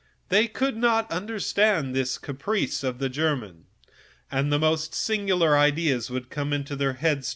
They could not understand the caprice of this German, and the strangest ideas came into their heads.